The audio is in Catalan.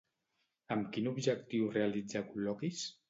Amb quin objectiu realitza col·loquis?